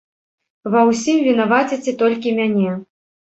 Вы ўсім вінаваціце толькі мяне.